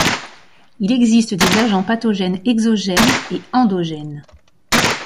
Il existe des agents pathogènes exogènes et endogènes.